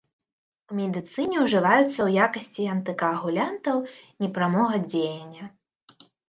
У медыцыне ўжываюцца ў якасці антыкаагулянтаў непрамога дзеяння.